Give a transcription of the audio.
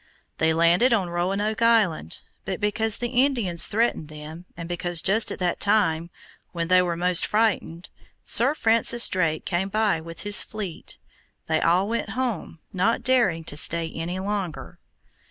They landed on Roanoke Island; but because the Indians threatened them, and because just at that time when they were most frightened, Sir Francis Drake came by with his fleet, they all went home, not daring to stay any longer.